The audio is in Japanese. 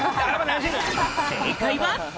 正解は。